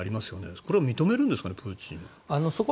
これを認めるんですかねプーチンは。